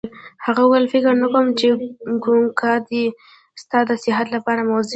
هغه وویل: فکر نه کوم چي کوګناک دي ستا د صحت لپاره مضر وي.